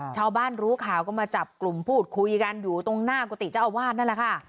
ชาวบ้านรู้ข่าวก็มาจับกลุ่มพูดคุยกันอยู่ตรงหน้ากุฏิเจ้าอาวาสนั่นแหละค่ะ